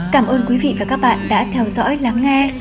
cảm ơn quý vị và các bạn đã theo dõi lắng nghe